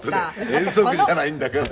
遠足じゃないんだから。